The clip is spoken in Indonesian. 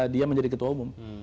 dia menjadi ketua umum